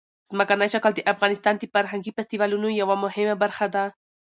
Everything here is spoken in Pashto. ځمکنی شکل د افغانستان د فرهنګي فستیوالونو یوه مهمه برخه ده.